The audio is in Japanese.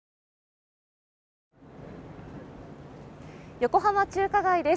横浜中華街です。